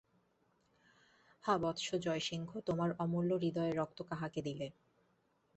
হা বৎস জয়সিংহ, তোমার অমূল্য হৃদয়ের রক্ত কাহাকে দিলে!